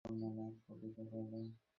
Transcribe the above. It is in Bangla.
আর যদি বলত, না।